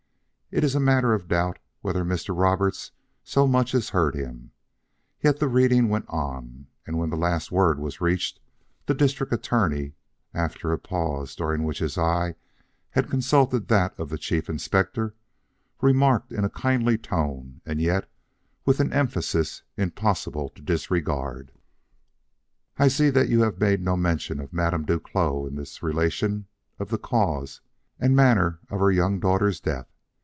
It is a matter of doubt whether Mr. Roberts so much as heard him. Yet the reading went on, and when the last word was reached, the District Attorney, after a pause during which his eye had consulted that of the Chief Inspector, remarked in a kindly tone and yet with an emphasis impossible to disregard: "I see that you have made no mention of Madame Duclos in this relation of the cause and manner of her young daughter's death.